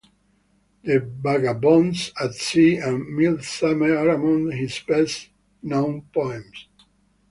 "The Vagabonds", "At Sea", and "Midsummer" are among his best-known poems.